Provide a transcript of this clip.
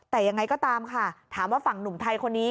แต่ยังไงก็ตามค่ะถามว่าฝั่งหนุ่มไทยคนนี้